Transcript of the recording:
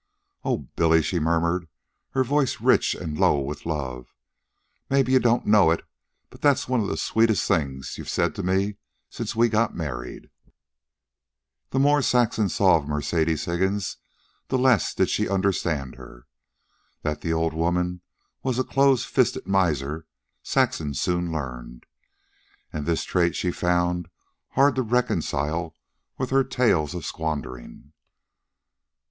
"Oh, Billy," she murmured, her voice rich and low with love; "maybe you don't know it, but that's one of the sweetest things you've said since we got married." The more Saxon saw of Mercedes Higgins the less did she understand her. That the old woman was a close fisted miser, Saxon soon learned. And this trait she found hard to reconcile with her tales of squandering.